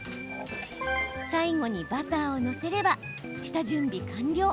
最後にバターを載せれば下準備完了。